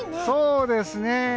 そうですね。